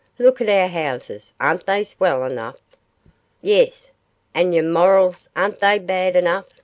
Look at our houses, aren't they swell enough?' 'Yes, and yer morals, ain't they bad enough?